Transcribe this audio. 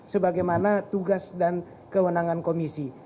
sebagaimana tugas dan kewenangan komisi